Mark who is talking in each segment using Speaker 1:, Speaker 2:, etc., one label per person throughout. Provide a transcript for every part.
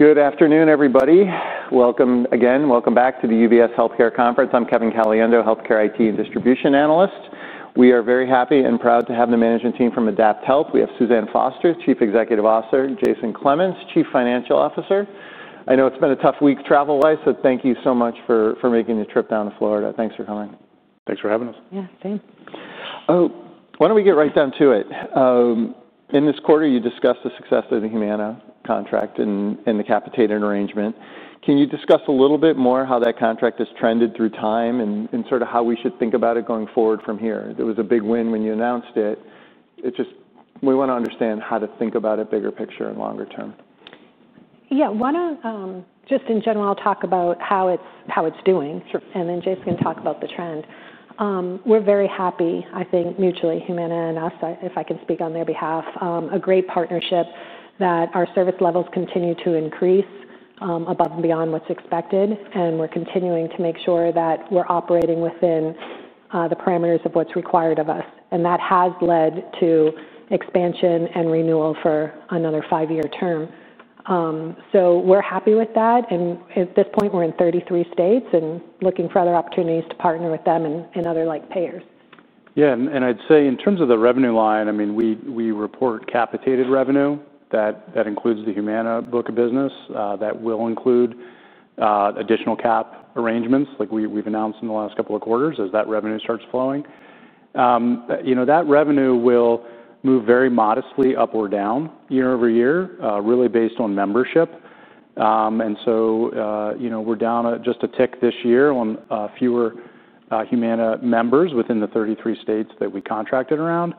Speaker 1: Good afternoon, everybody. Welcome again, welcome back to the UBS Healthcare Conference. I'm Kevin Caliendo, Healthcare IT and Distribution Analyst. We are very happy and proud to have the management team from AdaptHealth. We have Suzanne Foster, Chief Executive Officer, Jason Clemens, Chief Financial Officer. I know it's been a tough week travel-wise, so thank you so much for making the trip down to Florida. Thanks for coming.
Speaker 2: Thanks for having us.
Speaker 3: Yeah, same.
Speaker 1: Why don't we get right down to it? In this quarter, you discussed the success of the HUMANA contract and the capitated arrangement. Can you discuss a little bit more how that contract has trended through time and sort of how we should think about it going forward from here? It was a big win when you announced it. We want to understand how to think about it bigger picture and longer term.
Speaker 3: Yeah, let's just talk in general about how it's doing, and then Jason can talk about the trend. We're very happy, I think, mutually, Humana and us, if I can speak on their behalf, a great partnership that our service levels continue to increase above and beyond what's expected, and we're continuing to make sure that we're operating within the parameters of what's required of us. That has led to expansion and renewal for another five-year term. We're happy with that, and at this point, we're in 33 states and looking for other opportunities to partner with them and other payers.
Speaker 2: Yeah, and I'd say in terms of the revenue line, I mean, we report capitated revenue that includes the Humana book of business. That will include additional cap arrangements like we've announced in the last couple of quarters as that revenue starts flowing. That revenue will move very modestly up or down year-over-year, really based on membership. We're down just a tick this year on fewer Humana members within the 33 states that we contracted around.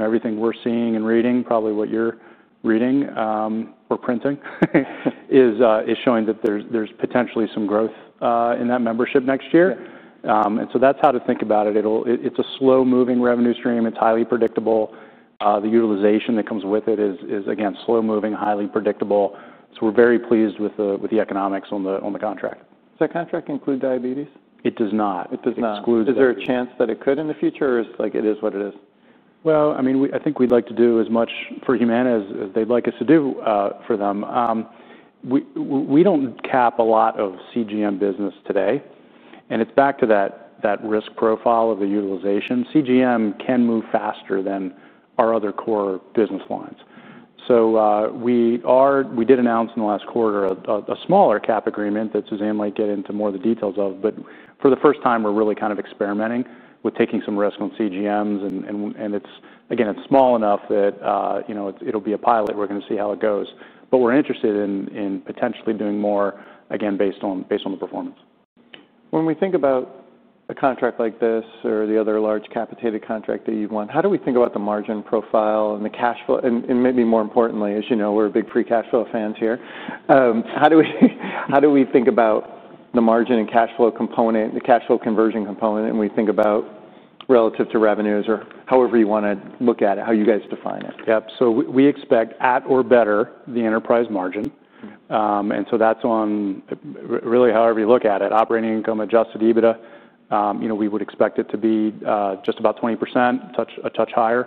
Speaker 2: Everything we're seeing and reading, probably what you're reading or printing, is showing that there's potentially some growth in that membership next year. That's how to think about it. It's a slow-moving revenue stream. It's highly predictable. The utilization that comes with it is, again, slow-moving, highly predictable. We're very pleased with the economics on the contract.
Speaker 1: Does that contract include diabetes?
Speaker 2: It does not.
Speaker 1: It does not.
Speaker 2: It excludes that.
Speaker 1: Is there a chance that it could in the future, or it is what it is?
Speaker 2: I mean, I think we'd like to do as much for Humana as they'd like us to do for them. We do not cap a lot of CGM business today, and it's back to that risk profile of the utilization. CGM can move faster than our other core business lines. We did announce in the last quarter a smaller cap agreement that Suzanne might get into more of the details of, but for the first time, we're really kind of experimenting with taking some risk on CGMs. Again, it's small enough that it'll be a pilot. We're going to see how it goes. We're interested in potentially doing more, again, based on the performance.
Speaker 1: When we think about a contract like this or the other large capitated contract that you've won, how do we think about the margin profile and the cash flow? Maybe more importantly, as you know, we're big free cash flow fans here. How do we think about the margin and cash flow component, the cash flow conversion component, and we think about relative to revenues—or however you want to look at it, how you guys define it?
Speaker 2: Yep. We expect, at or better, the enterprise margin. That is on really however you look at it, operating income, adjusted EBITDA—we would expect it to be just about 20%, a touch higher,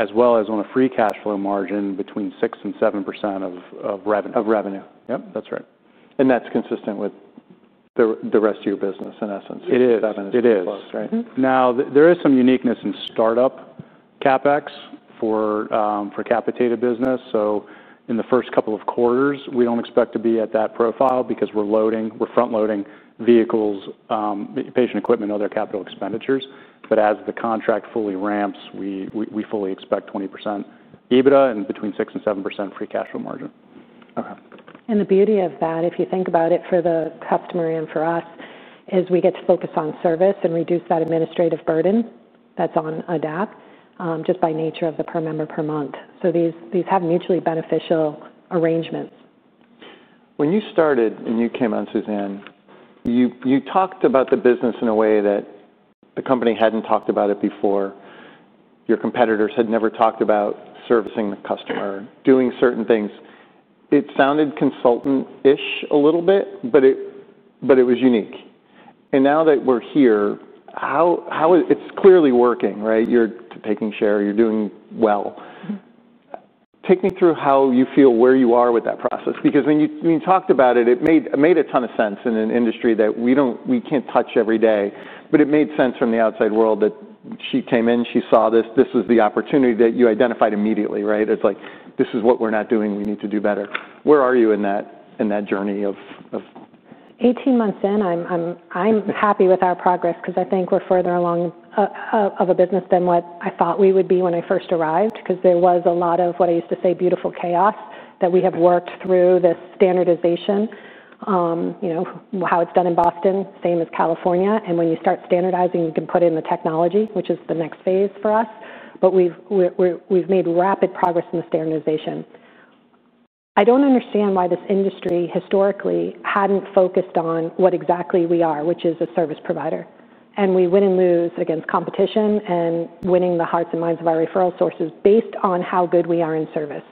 Speaker 2: as well as on a free cash flow margin between 6%-7% of revenue. Of revenue. Yep, that's right.
Speaker 1: That's consistent with the rest of your business in essence.
Speaker 2: It is.
Speaker 1: 7% plus, right?
Speaker 2: It is. Now, there is some uniqueness in startup CapEx for capitated business. In the first couple of quarters, we do not expect to be at that profile because we are front-loading vehicles, patient equipment, other capital expenditures. As the contract fully ramps, we fully expect 20% EBITDA and between 6%-7% free cash flow margin.
Speaker 3: The beauty of that, if you think about it for the customer and for us, is we get to focus on service and reduce that administrative burden that's on AdaptHealth just by nature of the per member per month. These have mutually beneficial arrangements.
Speaker 1: When you started and you came on, Suzanne, you talked about the business in a way that the company had not talked about it before. Your competitors had never talked about servicing the customer, doing certain things. It sounded consultant-ish a little bit, but it was unique. Now that we are here, it is clearly working, right? You are taking share. You are doing well. Take me through how you feel where you are with that process. Because when you talked about it, it made a ton of sense in an industry that we cannot touch every day. It made sense from the outside world that she came in, she saw this. This was the opportunity that you identified immediately, right? It is like, "This is what we are not doing. We need to do better." Where are you in that journey?
Speaker 3: Eighteen months in, I'm happy with our progress because I think we're further along of a business than what I thought we would be when I first arrived because there was a lot of what I used to say beautiful chaos that we have worked through this standardization. How it's done in Boston, same as California. When you start standardizing, you can put in the technology, which is the next phase for us. We've made rapid progress in the standardization. I don't understand why this industry historically hadn't focused on what exactly we are, which is a service provider. We win and lose against competition and winning the hearts and minds of our referral sources based on how good we are in service.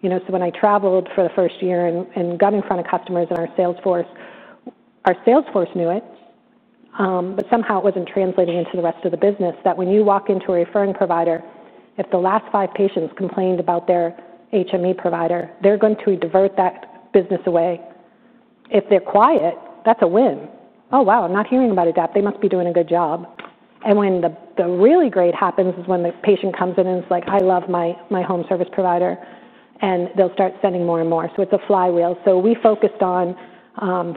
Speaker 3: When I traveled for the first year and got in front of customers in our sales force, our sales force knew it, but somehow it was not translating into the rest of the business that when you walk into a referring provider, if the last five patients complained about their HME provider, they are going to divert that business away. If they are quiet, that is a win. "Oh, wow, I am not hearing about Adapt. They must be doing a good job." What really happens is when the patient comes in and is like, "I love my home service provider," and they will start sending more and more. It is a flywheel. We focused on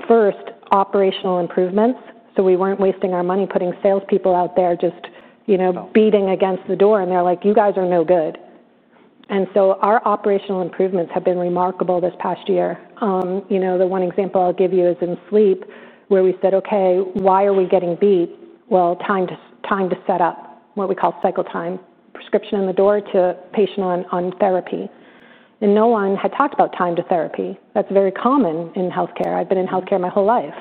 Speaker 3: first operational improvements. We were not wasting our money putting salespeople out there just beating against the door, and they are like, "You guys are no good." Our operational improvements have been remarkable this past year. The one example I will give you is in sleep where we said, "Okay, why are we getting beat?" Time to set up what we call cycle time, prescription in the door to patient on therapy. No one had talked about time to therapy. That is very common in healthcare. I have been in healthcare my whole life.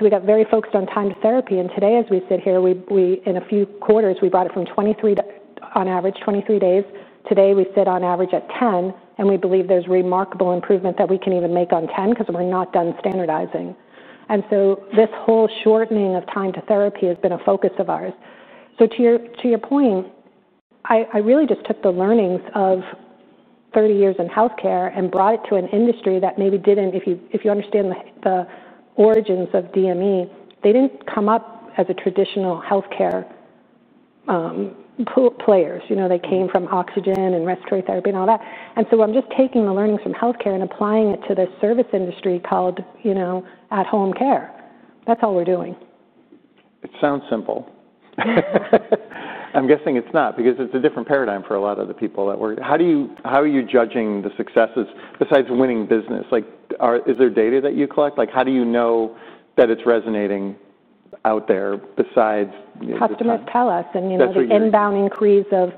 Speaker 3: We got very focused on time to therapy. Today, as we sit here, in a few quarters, we brought it from 23 on average, 23 days. Today, we sit on average at 10, and we believe there is remarkable improvement that we can even make on 10 because we are not done standardizing. This whole shortening of time to therapy has been a focus of ours. To your point, I really just took the learnings of 30 years in healthcare and brought it to an industry that maybe did not, if you understand the origins of DME, they did not come up as a traditional healthcare player. They came from oxygen and respiratory therapy and all that. I am just taking the learnings from healthcare and applying it to the service industry called at-home care. That is all we are doing.
Speaker 2: It sounds simple.
Speaker 1: I'm guessing it's not because it's a different paradigm for a lot of the people that we're—how are you judging the successes besides winning business? Is there data that you collect? How do you know that it's resonating out there besides?
Speaker 3: Customers tell us, and the inbound increase of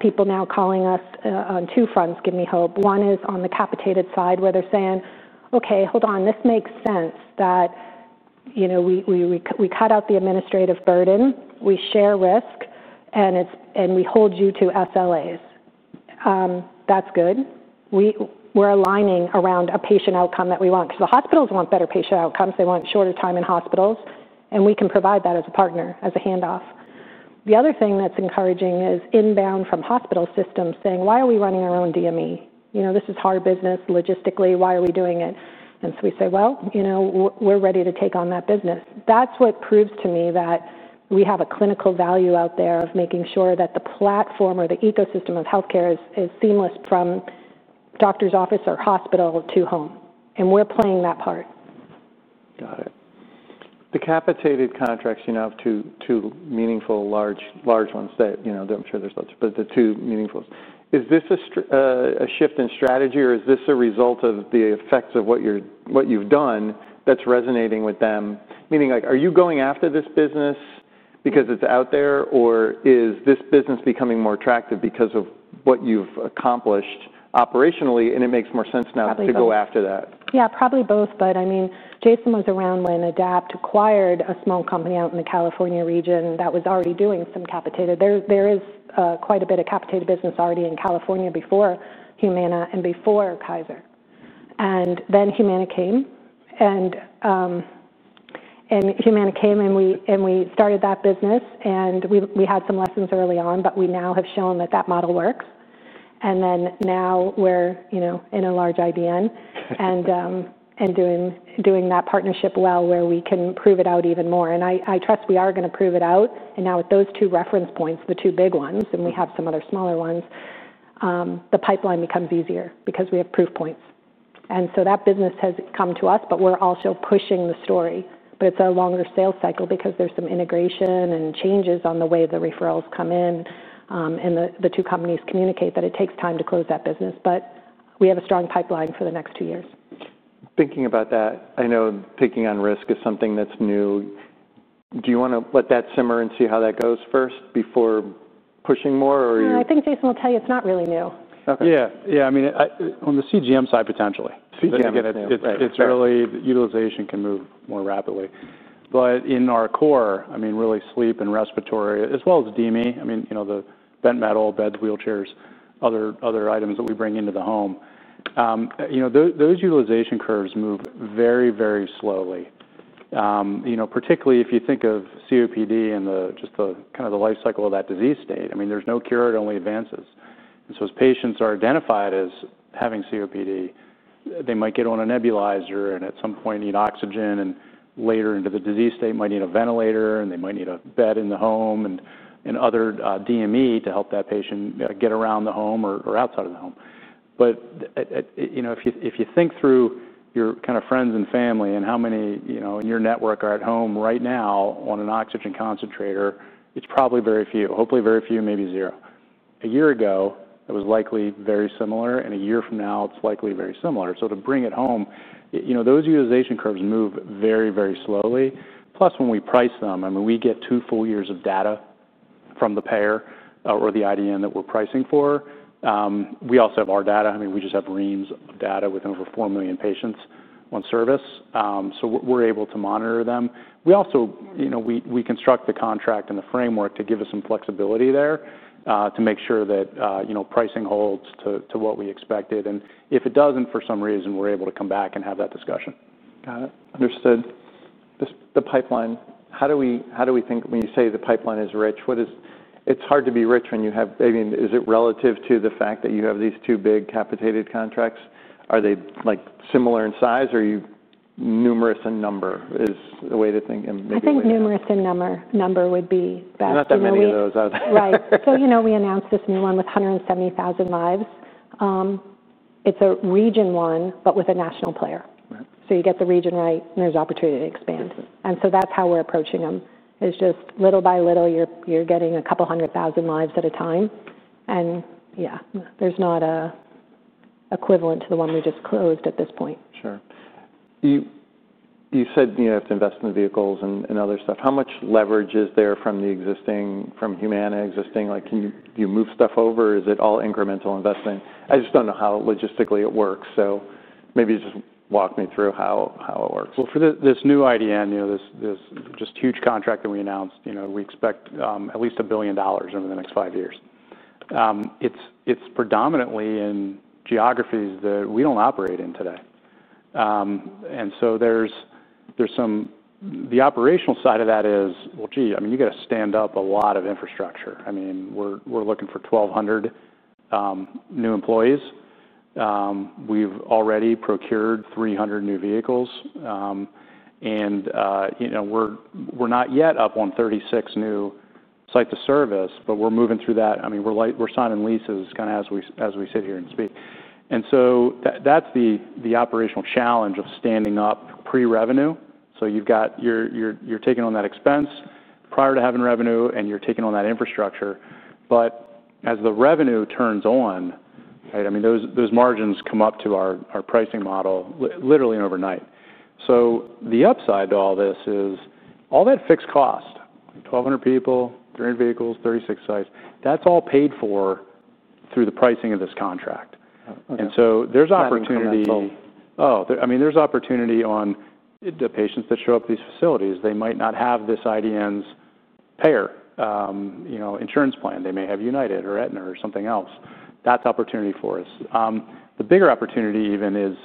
Speaker 3: people now calling us on two fronts give me hope. One is on the capitated side where they're saying, "Okay, hold on. This makes sense that we cut out the administrative burden, we share risk, and we hold you to service-level agreemeents(SLAs)." That's good. We're aligning around a patient outcome that we want because the hospitals want better patient outcomes. They want shorter time in hospitals, and we can provide that as a partner, as a handoff. The other thing that's encouraging is inbound from hospital systems saying, "Why are we running our own Durable Delivery Equipments (DME)? This is hard business. Logistically, why are we doing it? We say, "We're ready to take on that business." That proves to me that we have a clinical value out there of making sure that the platform or the ecosystem of healthcare is seamless from doctor's office or hospital to home. We're playing that part.
Speaker 1: Got it. The capitated contracts, you have two meaningful large ones that I'm sure there's lots of, but the two meaningful ones. Is this a shift in strategy, or is this a result of the effects of what you've done that's resonating with them? Meaning, are you going after this business because it's out there, or is this business becoming more attractive because of what you've accomplished operationally, and it makes more sense now to go after that?
Speaker 3: Yeah, probably both. I mean, Jason was around when AdaptHealth acquired a small company out in the California region that was already doing some capitated. There is quite a bit of capitated business already in California before Humana and before Kaiser. Humana came, and we started that business, and we had some lessons early on, but we now have shown that that model works. Now we're in a large Integrated Delivery Network (IDN) and doing that partnership well where we can prove it out even more. I trust we are going to prove it out. Now with those two reference points, the two big ones, and we have some other smaller ones, the pipeline becomes easier because we have proof points. That business has come to us, but we're also pushing the story. It's a longer sales cycle because there's some integration and changes on the way the referrals come in, and the two companies communicate that it takes time to close that business. We have a strong pipeline for the next two years.
Speaker 1: Thinking about that, I know taking on risk is something that's new. Do you want to let that simmer and see how that goes first before pushing more, or?
Speaker 3: No, I think Jason will tell you it's not really new.
Speaker 2: Yeah, yeah. I mean, on the Continuous Glucose Monitor (CGM) side, potentially.
Speaker 1: CGM, yeah.
Speaker 2: It's really utilization can move more rapidly. In our core, I mean, really sleep and respiratory, as well as DME, I mean, the bent metal, beds, wheelchairs, other items that we bring into the home. Those utilization curves move very, very slowly, particularly if you think of COPD and just kind of the life cycle of that disease state. I mean, there's no cure. It only advances. As patients are identified as having COPD, they might get on a nebulizer and at some point need oxygen, and later into the disease state, might need a ventilator, and they might need a bed in the home and other DME to help that patient get around the home or outside of the home. If you think through your kind of friends and family and how many in your network are at home right now on an oxygen concentrator, it's probably very few, hopefully very few, maybe zero. A year ago, it was likely very similar, and a year from now, it's likely very similar. To bring it home, those utilization curves move very, very slowly. Plus, when we price them, I mean, we get two full years of data from the payer or the IDN that we're pricing for. We also have our data. I mean, we just have reams of data with over 4 million patients on service. We're able to monitor them. We construct the contract and the framework to give us some flexibility there to make sure that pricing holds to what we expected. If it doesn't, for some reason, we're able to come back and have that discussion.
Speaker 1: Got it. Understood. The pipeline, how do we think when you say the pipeline is rich? It's hard to be rich when you have—I mean, is it relative to the fact that you have these two big capitated contracts? Are they similar in size or are you numerous in number is the way to think?
Speaker 3: I think numerous in number would be best.
Speaker 1: Not that many of those out of the.
Speaker 3: Right. We announced this new one with 170,000 lives. It is a Region One, but with a national player. You get the region right, and there is opportunity to expand. That is how we are approaching them. It is just little by little, you are getting a couple hundred thousand lives at a time. Yeah, there is not an equivalent to the one we just closed at this point.
Speaker 1: Sure. You said you have to invest in the vehicles and other stuff. How much leverage is there from Humana existing? Do you move stuff over? Is it all incremental investment? I just do not know how logistically it works. Maybe just walk me through how it works.
Speaker 2: For this new IDN, this just huge contract that we announced, we expect at least $1 billion over the next five years. It's predominantly in geographies that we do not operate in today. There is some—the operational side of that is, well, gee, I mean, you got to stand up a lot of infrastructure. I mean, we're looking for 1,200 new employees. We've already procured 300 new vehicles. We're not yet up on 36 new sites of service, but we're moving through that. I mean, we're signing leases kind of as we sit here and speak. That is the operational challenge of standing up pre-revenue. You are taking on that expense prior to having revenue, and you are taking on that infrastructure. As the revenue turns on, right, I mean, those margins come up to our pricing model literally overnight. The upside to all this is all that fixed cost, 1,200 people, 300 vehicles, 36 sites, that's all paid for through the pricing of this contract. And so there's opportunity.
Speaker 1: On the patient level?
Speaker 2: Oh, I mean, there's opportunity on the patients that show up at these facilities. They might not have this IDN's payer insurance plan. They may have United, Aetna or something else. That's opportunity for us. The bigger opportunity even is,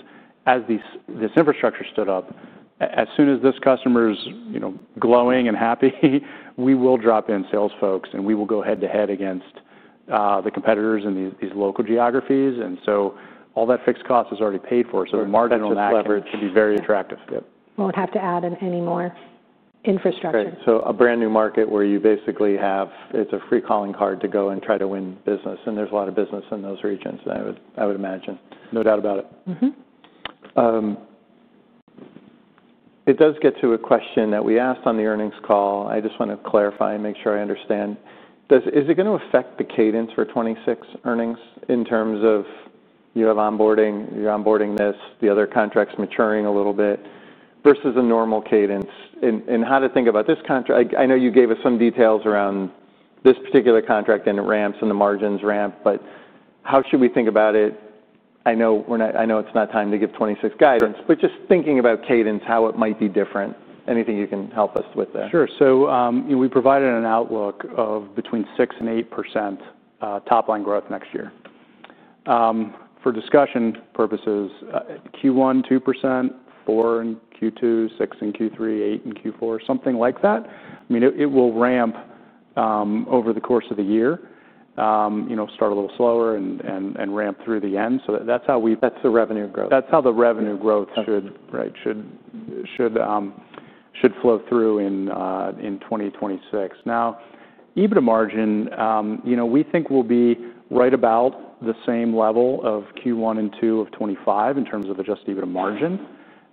Speaker 2: as this infrastructure stood up, as soon as this customer's glowing and happy, we will drop in sales folks, and we will go head-to-head against the competitors in these local geographies. All that fixed cost is already paid for. The marginal leverage can be very attractive.
Speaker 3: We'll have to add in any more infrastructure.
Speaker 1: A brand new market where you basically have—it's a free calling card to go and try to win business. And there's a lot of business in those regions, I would imagine.
Speaker 2: No doubt about it.
Speaker 1: It does get to a question that we asked on the earnings call. I just want to clarify and make sure I understand. Is it going to affect the cadence for 2026 earnings in terms of you have onboarding, you're onboarding this, the other contracts maturing a little bit versus a normal cadence? How to think about this contract? I know you gave us some details around this particular contract and it ramps and the margins ramp, but how should we think about it? I know it's not time to give 2026 guidance, but just thinking about cadence, how it might be different. Anything you can help us with there?
Speaker 2: Sure. So we provided an outlook of between 6% and 8% top-line growth next year. For discussion purposes, Q1, 2%, Q2, 6%, and Q3, 8%, and Q4, something like that. I mean, it will ramp over the course of the year, start a little slower, and ramp through the end. So that's how we.
Speaker 1: That's the revenue growth.
Speaker 2: That's how the revenue growth should flow through in 2026. Now, EBITDA margin, we think will be right about the same level of Q1 and Q2 of 2025 in terms of adjusted EBITDA margin.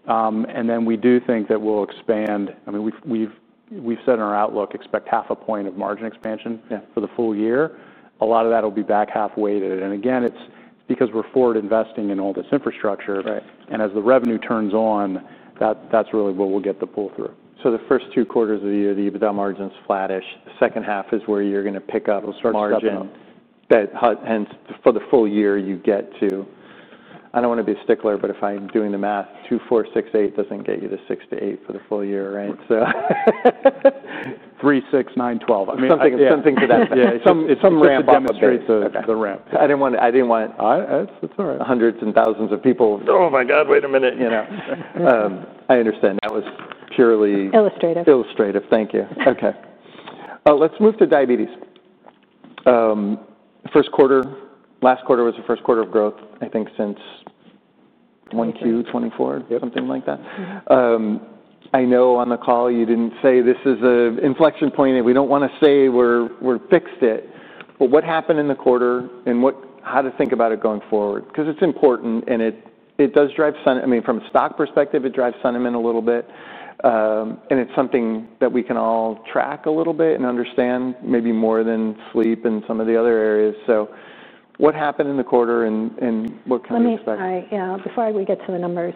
Speaker 2: We do think that we'll expand. I mean, we've said in our outlook, anticipate0.5 percentage point of margin expansion for the full year. A lot of that will be back half-weighted. Again, it's because we're forward investing in all this infrastructure. As the revenue turns on, that's really what will get the pull-through. The first two quarters of the year, the EBITDA margin's flattish. The second half is where you're going to pick up margin.
Speaker 1: We'll start jumping.
Speaker 2: Hence, for the full year, you get to—I don't want to be a stickler, but if I'm doing the math, 2, 4, 6, 8 doesn't get you to 6-8 for the full year, right? So. Three, six, nine, twelve. Something to that. It's some ramp up.
Speaker 1: It's the ramp. I didn't want—
Speaker 2: That's all right.
Speaker 1: Hundreds and thousands of people.
Speaker 2: Oh my God, wait a minute.
Speaker 1: I understand. That was purely.
Speaker 3: Illustrative.
Speaker 1: Illustrative. Thank you. Okay. Let's move to diabetes. First quarter. Last quarter was the first quarter of growth, I think, since 1Q 2024, something like that. I know on the call, you didn't say this is an inflection point, and we don't want to say we've fixed it. But what happened in the quarter and how to think about it going forward? Because it's important, and it does drive—I mean, from a stock perspective, it drives sentiment a little bit. And it's something that we can all track a little bit and understand, maybe more than sleep and some of the other areas. So what happened in the quarter and what can we expect?
Speaker 3: Let me—yeah, before we get to the numbers.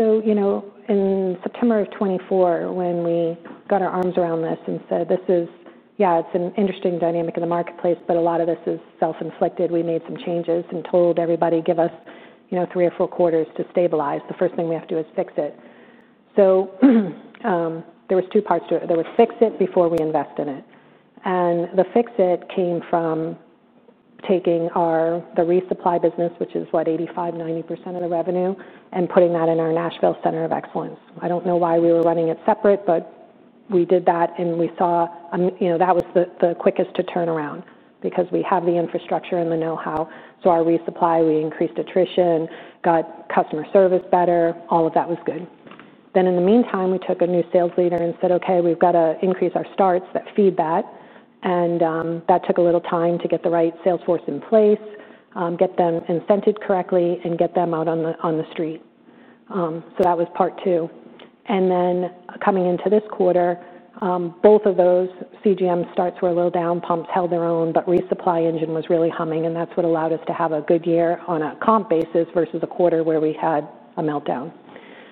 Speaker 3: In September of 2024, when we got our arms around this and said, "This is—yeah, it's an interesting dynamic in the marketplace, but a lot of this is self-inflicted." We made some changes and told everybody, "Give us three or four quarters to stabilize. The first thing we have to do is fix it." There were two parts to it. There was fix it before we invest in it. The fix it came from taking the resupply business, which is, what, 85-90% of the revenue, and putting that in our Nashville Center of Excellence. I do not know why we were running it separate, but we did that, and we saw that was the quickest to turn around because we have the infrastructure and the know-how. Our resupply, we increased attrition, got customer service better. All of that was good. In the meantime, we took a new sales leader and said, "Okay, we've got to increase our starts that feed that." That took a little time to get the right sales force in place, get them incented correctly, and get them out on the street. That was part two. Coming into this quarter, both of those CGM starts were a little down. Pumps held their own, but resupply engine was really humming, and that's what allowed us to have a good year on a comp basis versus a quarter where we had a meltdown.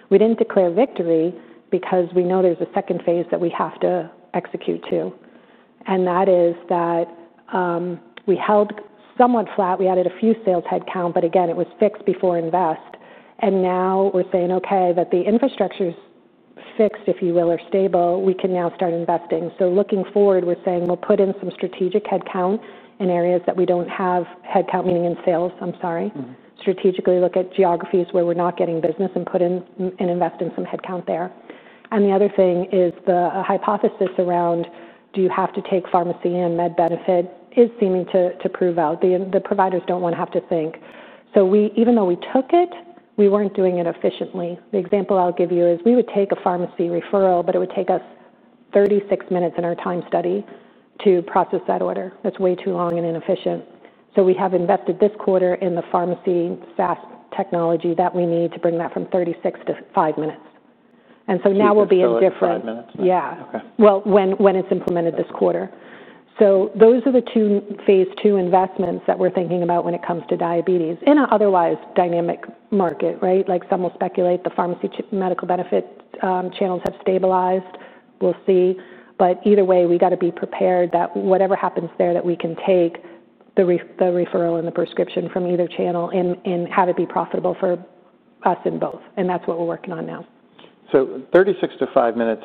Speaker 3: We didn't declare victory because we know there's a second phase that we have to execute to. That is that we held somewhat flat. We added a few sales headcount, but again, it was fixed before invest. Now we're saying, "Okay, that the infrastructure's fixed, if you will, or stable, we can now start investing." Looking forward, we're saying, "We'll put in some strategic headcount in areas that we don't have headcount," meaning in sales, I'm sorry. Strategically look at geographies where we're not getting business and put in and invest in some headcount there. The other thing is the hypothesis around, "Do you have to take pharmacy and med benefit?" is seeming to prove out. The providers don't want to have to think. Even though we took it, we weren't doing it efficiently. The example I'll give you is we would take a pharmacy referral, but it would take us 36 minutes in our time study to process that order. That's way too long and inefficient. We have invested this quarter in the pharmacy SaaS technology that we need to bring that from 36 to 5 minutes. And so now we'll be indifferent.
Speaker 1: It's 5 minutes now?
Speaker 3: Yeah. When it's implemented this quarter, those are the two phase two investments that we're thinking about when it comes to diabetes in an otherwise dynamic market, right? Like some will speculate, the pharmacy medical benefit channels have stabilized. We'll see. Either way, we got to be prepared that whatever happens there, we can take the referral and the prescription from either channel and have it be profitable for us in both. That's what we're working on now.
Speaker 1: Thirty-six to five minutes.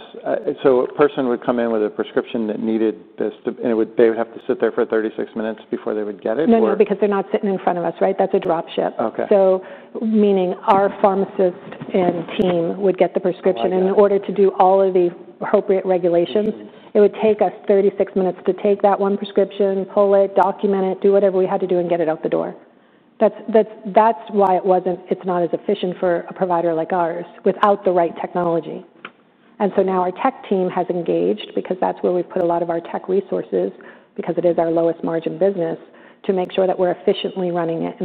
Speaker 1: So a person would come in with a prescription that needed this, and they would have to sit there for thirty-six minutes before they would get it?
Speaker 3: No, no, because they're not sitting in front of us, right? That's a dropship. Meaning our pharmacist and team would get the prescription. In order to do all of the appropriate regulations, it would take us 36 minutes to take that one prescription, pull it, document it, do whatever we had to do, and get it out the door. That's why it's not as efficient for a provider like ours without the right technology. Now our tech team has engaged because that's where we've put a lot of our tech resources because it is our lowest margin business to make sure that we're efficiently running it.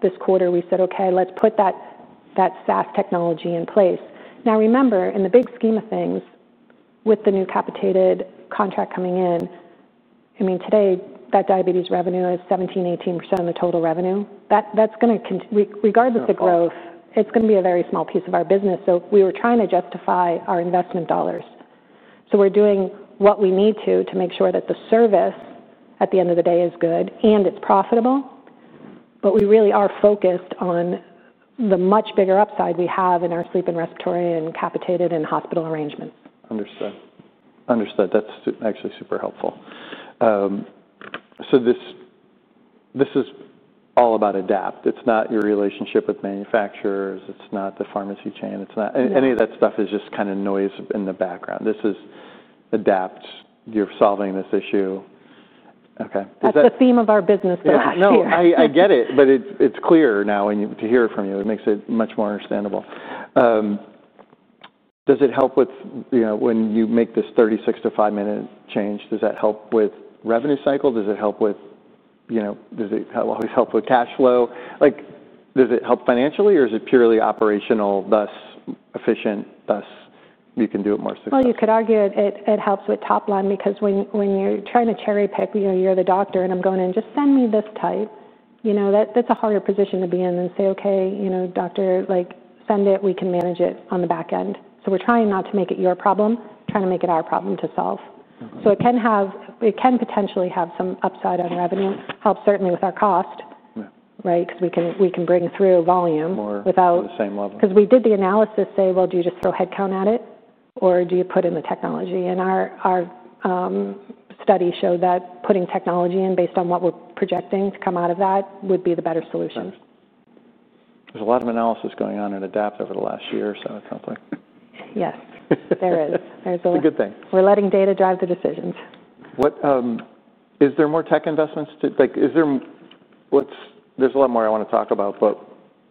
Speaker 3: This quarter, we said, "Okay, let's put that SaaS technology in place." Now, remember, in the big scheme of things, with the new capitated contract coming in, I mean, today, that diabetes revenue is 17-18% of the total revenue. That's going to, regardless of growth, it's going to be a very small piece of our business. We were trying to justify our investment dollars. We are doing what we need to to make sure that the service at the end of the day is good and it's profitable. We really are focused on the much bigger upside we have in our sleep and respiratory and capitated and hospital arrangements.
Speaker 1: Understood. Understood. That's actually super helpful. This is all about AdaptHealth. It's not your relationship with manufacturers. It's not the pharmacy chain. Any of that stuff is just kind of noise in the background. This is AdaptHealth. You're solving this issue. Okay.
Speaker 3: That's the theme of our business for last year.
Speaker 1: I get it, but it's clear now to hear it from you. It makes it much more understandable. Does it help with when you make this 36 to 5 minute change, does that help with revenue cycle? Does it help with does it always help with cash flow? Does it help financially, or is it purely operational, thus efficient, thus you can do it more successfully?
Speaker 3: You could argue it helps with top line because when you're trying to cherry pick, you're the doctor, and I'm going in, "Just send me this type." That's a harder position to be in than say, "Okay, doctor, send it. We can manage it on the back end." We are trying not to make it your problem, trying to make it our problem to solve. It can potentially have some upside on revenue, help certainly with our cost, right, because we can bring through volume without.
Speaker 1: Or the same level.
Speaker 3: Because we did the analysis, say, "Well, do you just throw headcount at it, or do you put in the technology?" Our study showed that putting technology in, based on what we're projecting to come out of that, would be the better solution.
Speaker 1: There's a lot of analysis going on in AdaptHealth over the last year, so it sounds like.
Speaker 3: Yes. There is. There's always.
Speaker 1: It's a good thing.
Speaker 3: We're letting data drive the decisions.
Speaker 1: Is there more tech investments to there's a lot more I want to talk about, but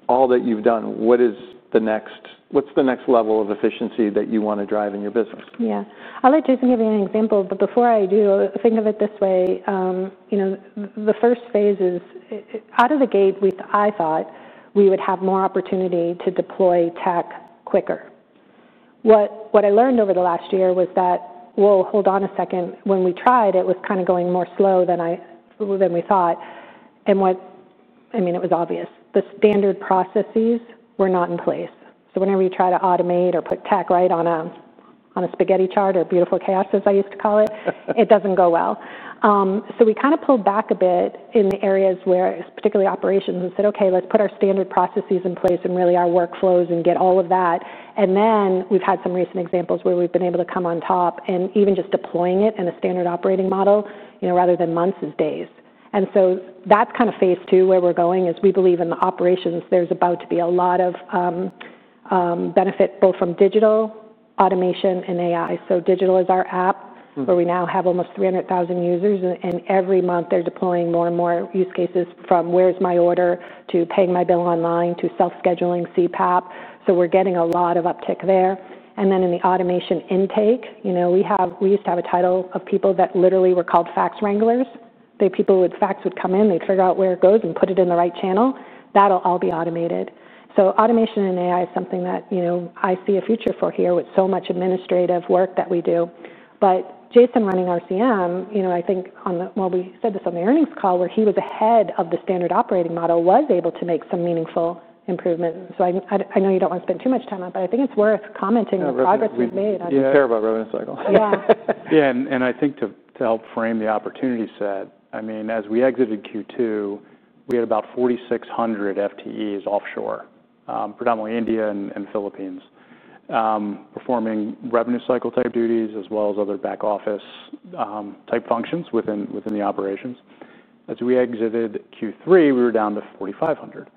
Speaker 1: all that you've done, what's the next level of efficiency that you want to drive in your business?
Speaker 3: Yeah. I'll let Jason give you an example, but before I do, think of it this way. The first phase is out of the gate, I thought we would have more opportunity to deploy tech quicker. What I learned over the last year was that, hold on a second. When we tried, it was kind of going more slow than we thought. I mean, it was obvious. The standard processes were not in place. Whenever you try to automate or put tech right on a spaghetti chart or beautiful chaos, as I used to call it, it does not go well. We kind of pulled back a bit in areas where it was particularly operations and said, "Okay, let's put our standard processes in place and really our workflows and get all of that." We have had some recent examples where we've been able to come on top and even just deploying it in a standard operating model rather than months is days. That is kind of phase two where we're going, as we believe in the operations. There is about to be a lot of benefit both from digital, automation, and AI. Digital is our app where we now have almost 300,000 users, and every month they're deploying more and more use cases from where's my order to paying my bill online to self-scheduling CPAP. We are getting a lot of uptick there. In the automation intake, we used to have a title of people that literally were called fax wranglers. The people with fax would come in, they'd figure out where it goes and put it in the right channel. That'll all be automated. Automation and AI is something that I see a future for here with so much administrative work that we do. Jason running RCM, I think, we said this on the earnings call where he was ahead of the standard operating model, was able to make some meaningful improvements. I know you don't want to spend too much time on it, but I think it's worth commenting on the progress we've made.
Speaker 1: Yeah, we're talking about revenue cycle.
Speaker 3: Yeah.
Speaker 2: Yeah. I think to help frame the opportunity set, I mean, as we exited Q2, we had about 4,600 FTEs offshore, predominantly India and Philippines, performing revenue cycle type duties as well as other back office type functions within the operations. As we exited Q3, we were down to 4,500.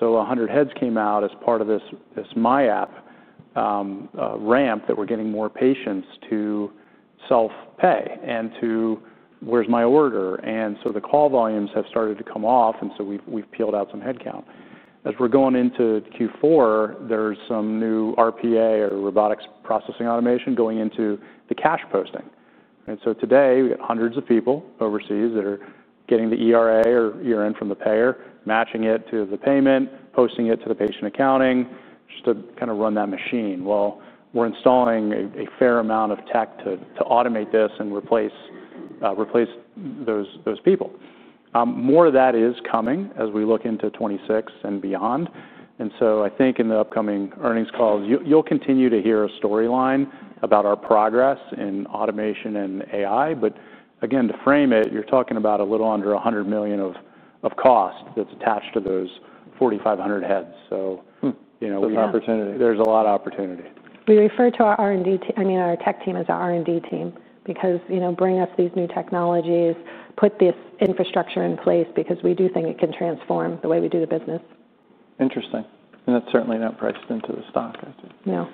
Speaker 2: 100 heads came out as part of this MyApp ramp that we're getting more patients to self-pay and to where's my order. The call volumes have started to come off, and we've peeled out some headcount. As we're going into Q4, there's some new RPA or robotic process automation going into the cash posting. Today, we have hundreds of people overseas that are getting the ERA or ERN from the payer, matching it to the payment, posting it to the patient accounting just to kind of run that machine. We're installing a fair amount of tech to automate this and replace those people. More of that is coming as we look into 2026 and beyond. I think in the upcoming earnings calls, you'll continue to hear a storyline about our progress in automation and AI. Again, to frame it, you're talking about a little under $100 million of cost that's attached to those 4,500 heads. We have. There's opportunity.
Speaker 1: There's a lot of opportunity.
Speaker 3: We refer to our R&D, I mean, our tech team as our R&D team because they bring us these new technologies, put this infrastructure in place because we do think it can transform the way we do the business.
Speaker 1: Interesting. That is certainly not priced into the stock, I think.
Speaker 3: No.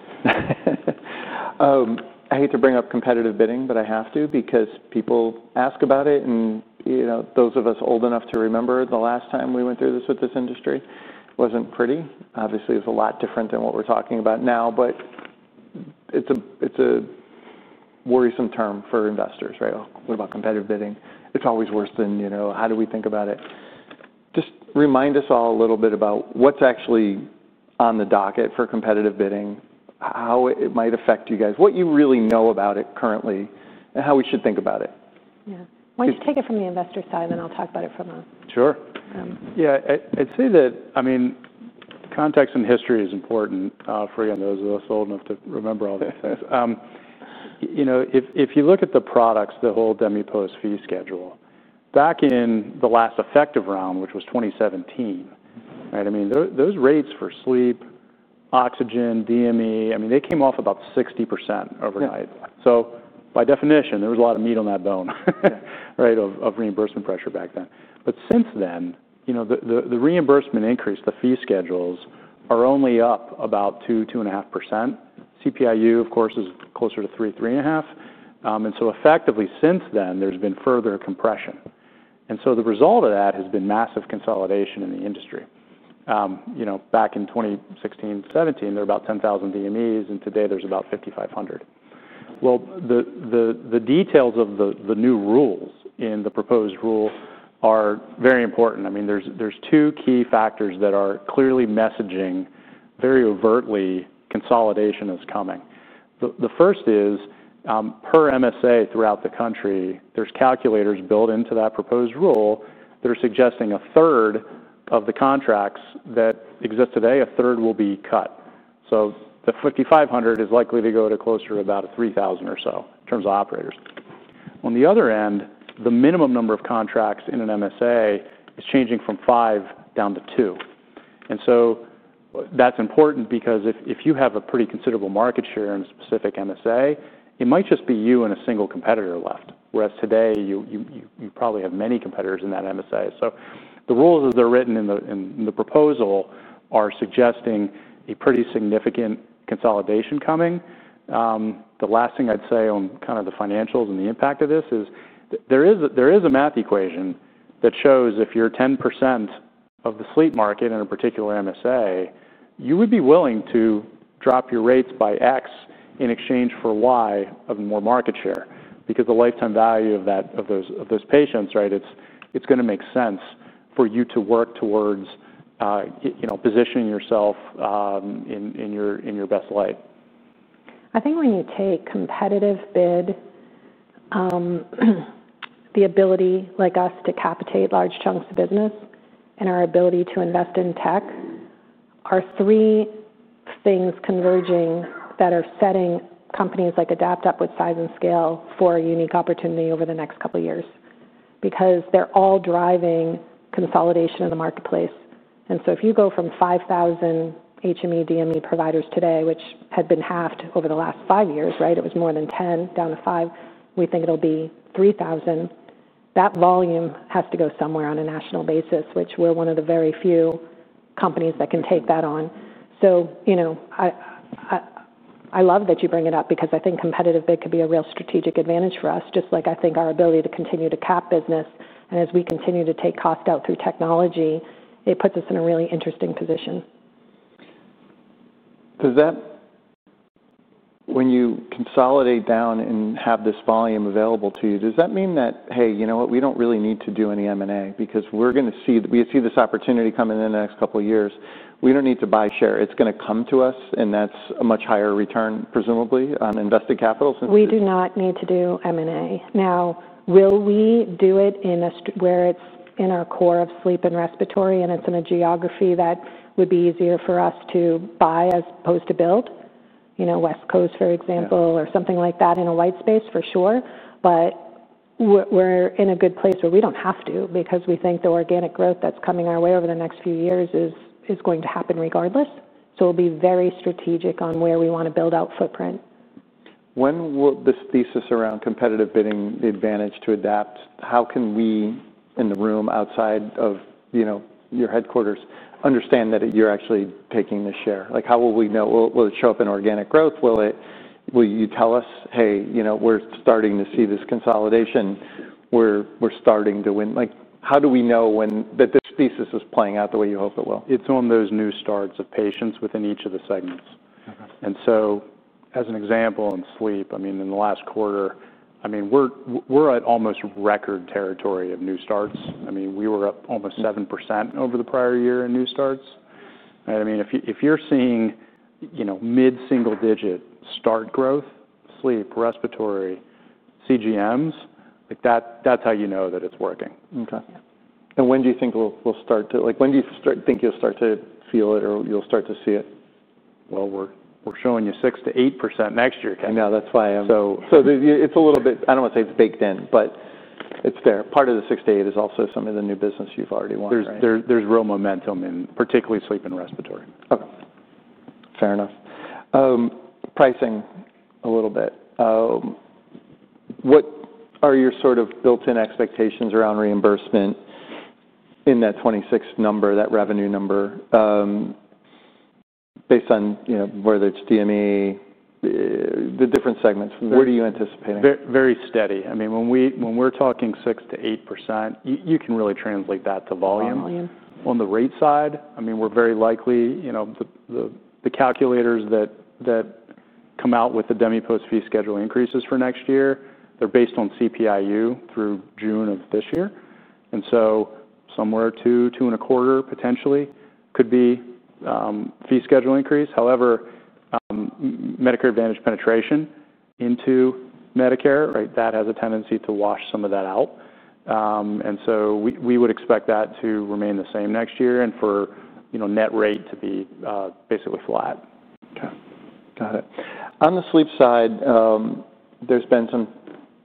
Speaker 1: I hate to bring up competitive bidding, but I have to because people ask about it. Those of us old enough to remember the last time we went through this with this industry know it was not pretty. Obviously, it's a lot different than what we're talking about now, but it's a worrisome term for investors, right? What about competitive bidding? It's always worse than, how do we think about it? Just remind us all a little bit about what's actually on the docket for competitive bidding, how it might affect you guys, what you really know about it currently, and how we should think about it.
Speaker 3: Yeah. Why don't you take it from the investor side, and then I'll talk about it from a.
Speaker 2: Sure. Yeah. I'd say that, I mean, context and history is important for those of us old enough to remember all these things. If you look at the products, the whole DMEPOS fee schedule, back in the last effective round, which was 2017, right? I mean, those rates for sleep, oxygen, DME, I mean, they came off about 60% overnight. By definition, there was a lot of meat on that bone, right, of reimbursement pressure back then. Since then, the reimbursement increase, the fee schedules are only up about 2-2.5%. CPIU, of course, is closer to 3-3.5%. Effectively since then, there's been further compression. The result of that has been massive consolidation in the industry. Back in 2016, 2017, there were about 10,000 DMEs, and today there's about 5,500. The details of the new rules in the proposed rule are very important. I mean, there's two key factors that are clearly messaging very overtly consolidation is coming. The first is, per MSA throughout the country, there's calculators built into that proposed rule that are suggesting a third of the contracts that exist today, a third will be cut. So the 5,500 is likely to go to closer to about 3,000 or so in terms of operators. On the other end, the minimum number of contracts in an MSA is changing from five down to two. That is important because if you have a pretty considerable market share in a specific MSA, it might just be you and a single competitor left, whereas today you probably have many competitors in that MSA. The rules as they're written in the proposal are suggesting a pretty significant consolidation coming. The last thing I'd say on kind of the financials and the impact of this is there is a math equation that shows if you're 10% of the sleep market in a particular MSA, you would be willing to drop your rates by X in exchange for Y of more market share because the lifetime value of those patients, right, it's going to make sense for you to work towards positioning yourself in your best light.
Speaker 3: I think when you take competitive bid, the ability like us to capitate large chunks of business and our ability to invest in tech are three things converging that are setting companies like AdaptHealth up with size and scale for a unique opportunity over the next couple of years because they're all driving consolidation in the marketplace. If you go from 5,000 HME, DME providers today, which had been halved over the last five years, right? It was more than 10,000, down to 5,000. We think it'll be 3,000. That volume has to go somewhere on a national basis, which we're one of the very few companies that can take that on. I love that you bring it up because I think competitive bid could be a real strategic advantage for us, just like I think our ability to continue to cap business. As we continue to take cost out through technology, it puts us in a really interesting position.
Speaker 1: When you consolidate down and have this volume available to you, does that mean that, hey, you know what? We do not really need to do any M&A because we are going to see this opportunity coming in the next couple of years. We do not need to buy share. It is going to come to us, and that is a much higher return, presumably. Invested capital since we.
Speaker 3: We do not need to do M&A. Now, will we do it where it's in our core of sleep and respiratory, and it's in a geography that would be easier for us to buy as opposed to build, West Coast, for example, or something like that in a white space, for sure. We are in a good place where we do not have to because we think the organic growth that's coming our way over the next few years is going to happen regardless. We will be very strategic on where we want to build out footprint.
Speaker 1: When will this thesis around competitive bidding, the advantage to AdaptHealth, how can we in the room outside of your headquarters understand that you're actually taking the share? How will we know? Will it show up in organic growth? Will you tell us, "Hey, we're starting to see this consolidation. We're starting to win"? How do we know that this thesis is playing out the way you hope it will?
Speaker 2: It's on those new starts of patients within each of the segments. As an example, in sleep, I mean, in the last quarter, I mean, we're at almost record territory of new starts. I mean, we were up almost 7% over the prior year in new starts. I mean, if you're seeing mid-single digit start growth, sleep, respiratory, CGMs, that's how you know that it's working.
Speaker 1: Okay. When do you think we'll start to, when do you think you'll start to feel it or you'll start to see it?
Speaker 2: We're showing you 6-8% next year, Ken.
Speaker 1: I know. That's why I'm.
Speaker 2: So. It's a little bit, I don't want to say it's baked in, but it's there. Part of the 6-8 is also some of the new business you've already won there. There's real momentum in particularly sleep and respiratory.
Speaker 1: Okay. Fair enough. Pricing a little bit. What are your sort of built-in expectations around reimbursement in that 26 number, that revenue number, based on whether it's DME, the different segments? What are you anticipating?
Speaker 2: Very steady. I mean, when we're talking 6-8%, you can really translate that to volume.
Speaker 3: Volume.
Speaker 2: On the rate side, I mean, we're very likely the calculators that come out with the DMEPOS fee schedule increases for next year, they're based on CPIU through June of this year. And so somewhere 2.25% potentially could be fee schedule increase. However, Medicare Advantage penetration into Medicare, right, that has a tendency to wash some of that out. And so we would expect that to remain the same next year and for net rate to be basically flat.
Speaker 1: Okay. Got it. On the sleep side, there's been some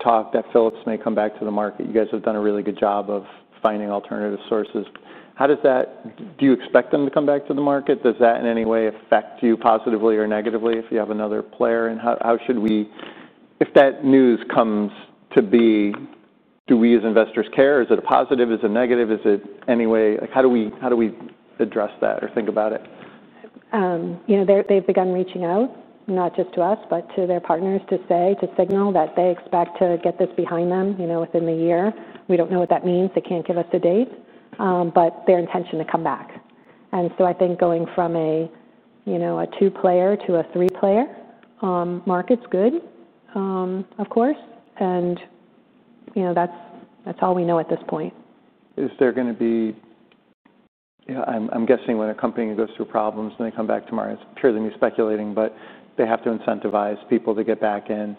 Speaker 1: talk that Philips may come back to the market. You guys have done a really good job of finding alternative sources. Do you expect them to come back to the market? Does that in any way affect you positively or negatively if you have another player? How should we, if that news comes to be, do we as investors care? Is it a positive? Is it a negative? Is it any way? How do we address that or think about it?
Speaker 3: They've begun reaching out, not just to us, but to their partners to say, to signal that they expect to get this behind them within the year. We don't know what that means. They can't give us a date, but their intention to come back. I think going from a two-player to a three-player market's good, of course. That's all we know at this point.
Speaker 1: Is there going to be, I'm guessing when a company goes through problems and they come back tomorrow, it's purely me speculating, but they have to incentivize people to get back in.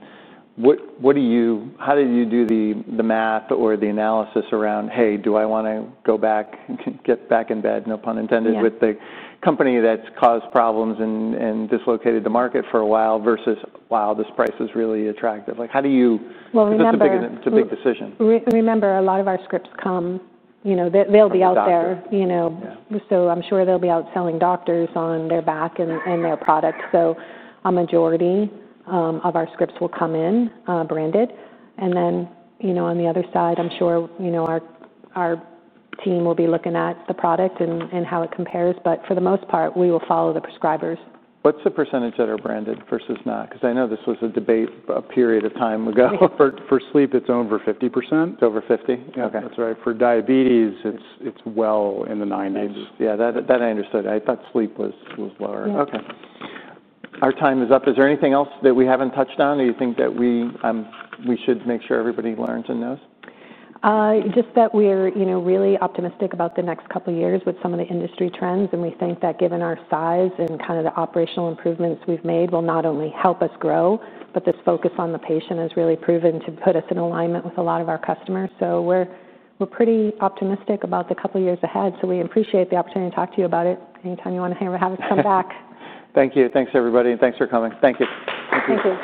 Speaker 1: How do you do the math or the analysis around, "Hey, do I want to go back and get back in bed?" No pun intended with the company that's caused problems and dislocated the market for a while versus, "Wow, this price is really attractive." How do you?
Speaker 3: Well, remember.
Speaker 1: It's a big decision.
Speaker 3: Remember, a lot of our scripts come. They'll be out there. I'm sure they'll be out selling doctors on their back and their product. A majority of our scripts will come in branded. On the other side, I'm sure our team will be looking at the product and how it compares. For the most part, we will follow the prescribers.
Speaker 1: What's the percentage that are branded versus not? Because I know this was a debate a period of time ago.
Speaker 2: For sleep, it's over 50%.
Speaker 1: Over 50? Okay.
Speaker 2: That's right. For diabetes, it's well in the 90%.
Speaker 1: 90s. Yeah. That I understood. I thought sleep was lower. Okay. Our time is up. Is there anything else that we haven't touched on that you think that we should make sure everybody learns and knows?
Speaker 3: Just that we're really optimistic about the next couple of years with some of the industry trends. We think that given our size and kind of the operational improvements we've made will not only help us grow, but this focus on the patient has really proven to put us in alignment with a lot of our customers. We're pretty optimistic about the couple of years ahead. We appreciate the opportunity to talk to you about it. Anytime you want to have us come back.
Speaker 1: Thank you. Thanks, everybody. Thanks for coming. Thank you.